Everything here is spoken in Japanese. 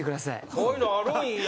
こういうのあるんや。